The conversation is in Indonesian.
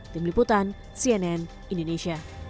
tim liputan cnn indonesia